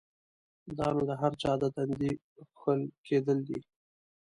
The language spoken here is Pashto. دا نو د هر چا د تندي کښل کېدل دی؛